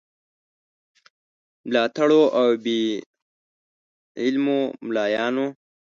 ملاتړو او بې علمو مُلایانو.